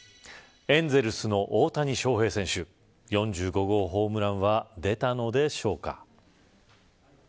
エンゼルスの大谷翔平選手４５号ホームランは出たのでしょうか。